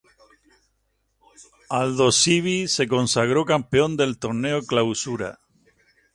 Aldosivi se consagró campeón del Torneo Clausura.